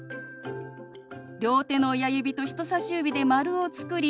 両手の親指と人さし指で丸を作り